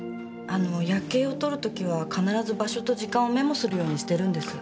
あの夜景を撮る時は必ず場所と時間をメモするようにしてるんです。